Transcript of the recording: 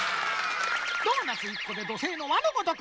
ドーナツ１こで土星の輪のごとく！